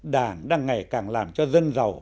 đảng đang ngày càng làm cho dân giàu